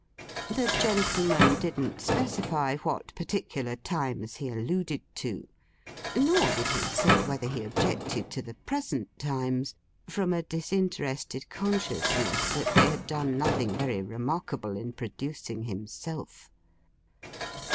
The gentleman didn't specify what particular times he alluded to; nor did he say whether he objected to the present times, from a disinterested consciousness that they had done nothing very remarkable in producing himself.